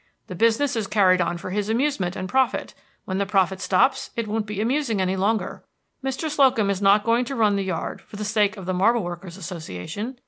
The business is carried on for his amusement and profit; when the profit stops it won't be amusing any longer. Mr. Slocum is not going to run the yard for the sake of the Marble Workers' Association.